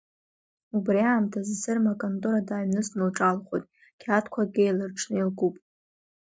Убри аамҭазы Сырма аконтора дааҩныҵны лҿаалхоит, қьаадқәакгьы еиларҽны илкуп.